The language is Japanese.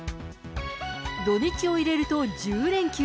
土日を入れると１０連休。